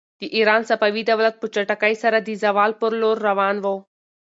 د ایران صفوي دولت په چټکۍ سره د زوال پر لور روان و.